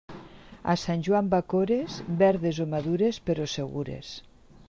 A sant Joan bacores, verdes o madures, però segures.